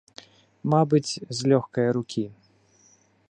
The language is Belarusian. Мабыць, з лёгкае рукі.